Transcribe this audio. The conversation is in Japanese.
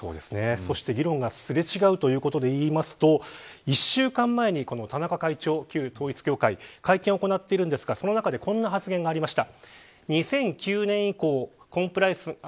そして、議論がすれ違うということでいうと１週間前に田中会長旧統一教会会見を行っているんですがその中でこんな発言がありました。